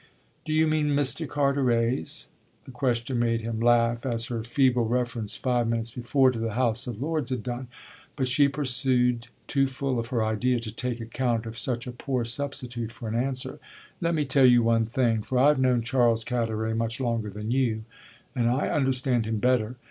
"Do you mean Mr. Carteret's?" The question made him laugh as her feeble reference five minutes before to the House of Lords had done. But she pursued, too full of her idea to take account of such a poor substitute for an answer: "Let me tell you one thing, for I've known Charles Carteret much longer than you and I understand him better.